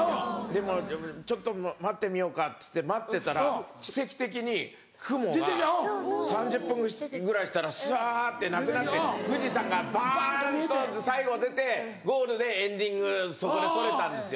でもちょっと待ってみようかって言って待ってたら奇跡的に雲が３０分ぐらいしたらさってなくなって富士山がバンと最後出てゴールでエンディングそこで撮れたんですよ。